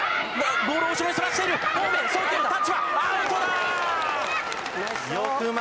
ボールを後ろにそらしている、送球、タッチは？